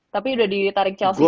tapi sudah ditarik chelsea juga